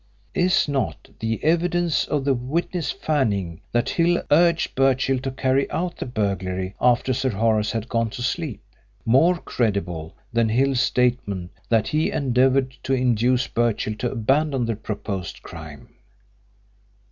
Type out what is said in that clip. Is not the evidence of the witness Fanning, that Hill urged Birchill to carry out the burglary after Sir Horace had gone to sleep, more credible than Hill's statement that he endeavoured to induce Birchill to abandon the proposed crime?